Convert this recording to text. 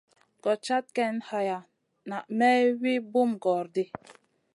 Gòd cad ken haya na may wi bum gòoro ɗi.